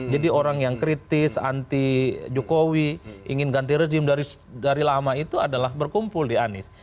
jadi orang yang kritis anti jokowi ingin ganti rezim dari lama itu adalah berkumpul di anies